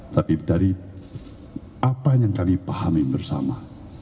tapi dari apa yang kami pahami bersama